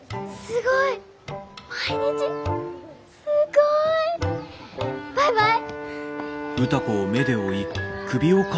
すごい。バイバイ！